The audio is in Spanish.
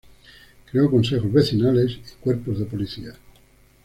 Creó consejos vecinales y cuerpos de policías.